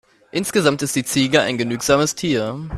Insgesamt ist die Ziege ein genügsames Tier.